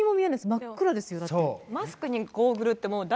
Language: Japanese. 真っ暗ですよ、だって。